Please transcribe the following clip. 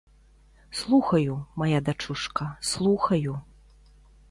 Слухаю, мая дачушка, слухаю.